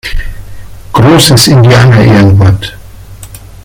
Großes Indianerehrenwort!